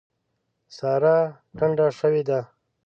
سارا ټنډه شوې ده.